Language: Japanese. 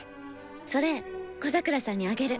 それ小桜さんにあげる。